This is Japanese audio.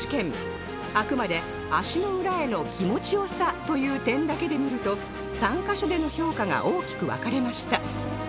あくまで足の裏への気持ち良さという点だけで見ると３カ所での評価が大きく分かれました